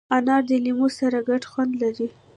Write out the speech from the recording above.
انار د لیمو سره ګډ خوند لري.